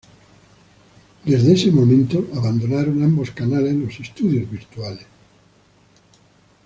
Desde ese momento abandonaron ambos canales los estudios virtuales.